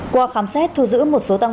qua khám xét thu giữ một số tăng